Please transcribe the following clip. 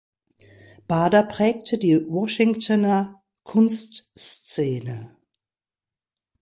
Bader prägte die Washingtoner Kunstszene.